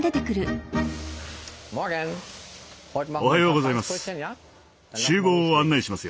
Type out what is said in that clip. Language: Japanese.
おはようございます。